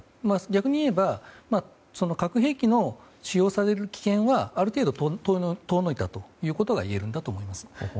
逆にいえば核兵器が使用される危険はある程度、遠のいたということが言えるんだと思います。